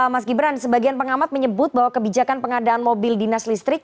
mas gibran sebagian pengamat menyebut bahwa kebijakan pengadaan mobil dinas listrik